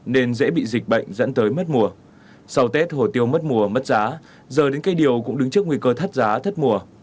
nên dễ bị dịch bệnh dẫn tới mất mùa sau tết hồ tiêu mất mùa mất giá giờ đến cây điều cũng đứng trước nguy cơ thất giá thất mùa